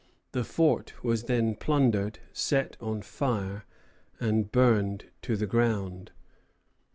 The fort was then plundered, set on fire, and burned to the ground.